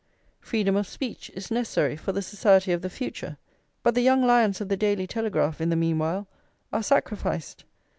Freedom of speech is necessary for the society of the future, but the young lions of the Daily Telegraph in the meanwhile are sacrificed.